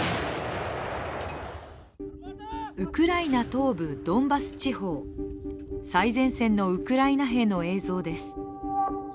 ウクライナ東部ドンバス地方、最前線のウクライナ兵の映像です。